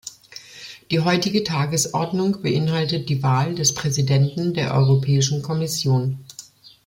Die heutige Tagesordnung beinhaltet die Wahl des Präsidenten der Europäischen Kommission.